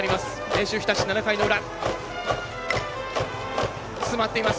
明秀日立、７回の裏。